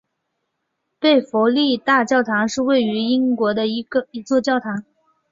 贝弗利大教堂是位于英国英格兰东约克郡贝弗利的一座教堂。